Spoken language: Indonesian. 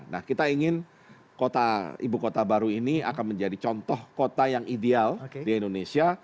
nah kita ingin kota ibu kota baru ini akan menjadi contoh kota yang ideal di indonesia